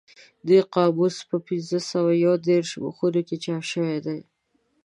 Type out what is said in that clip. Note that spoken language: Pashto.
دا قاموس په پینځه سوه یو دېرش مخونو کې چاپ شوی دی.